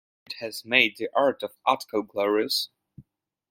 It has made the art of Utkal glorious.